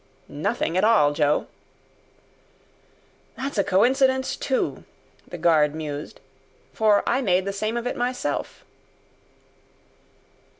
"Nothing at all, Joe." "That's a coincidence, too," the guard mused, "for I made the same of it myself."